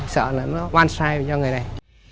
sợ là nó quan sai cho người này